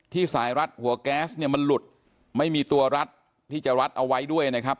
สายรัดหัวแก๊สเนี่ยมันหลุดไม่มีตัวรัดที่จะรัดเอาไว้ด้วยนะครับ